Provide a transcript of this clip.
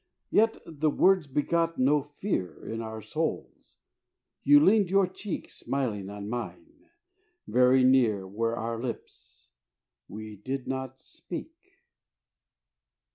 Yet the words begot no fear In our souls: you leaned your cheek Smiling on mine: very near Were our lips: we did not speak.